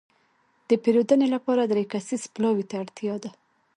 د پېرودنې لپاره دری کسیز پلاوي ته اړتياده.